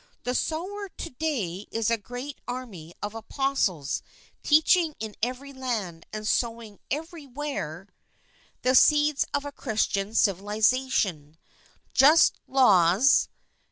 The Sower to day is a great army of apostles teaching in every land, and sowing everywhere INTRODUCTION the seeds of a Christian civilization just laws, g?